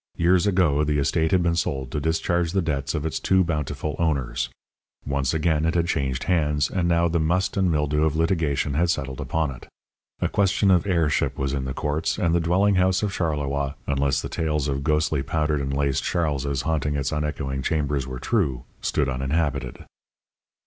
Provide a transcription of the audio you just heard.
Years ago the estate had been sold to discharge the debts of its too bountiful owners. Once again it had changed hands, and now the must and mildew of litigation had settled upon it. A question of heirship was in the courts, and the dwelling house of Charleroi, unless the tales told of ghostly powdered and laced Charleses haunting its unechoing chambers were true, stood uninhabited.